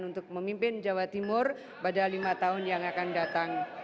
untuk memimpin jawa timur pada lima tahun yang akan datang